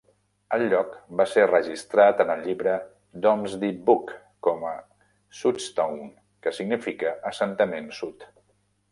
El lloc va ser registrat en el llibre "Domesday Book" com "Sudtone", que significa "assentament sud".